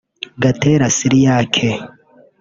Gatera Cyriaque